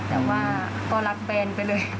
แต่ว่าก็รักแฟนไปเลย